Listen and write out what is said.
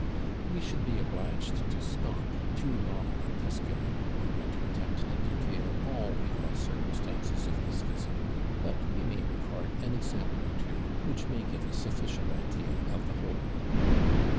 We should be obliged to STOP too long at Tusculum were we to attempt to detail all the odd circumstances of this visit; but we may record an example or two which may give a sufficient idea of the whole.